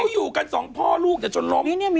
เค้าอยู่กันสองพ่อลูกแล้วจนล้ม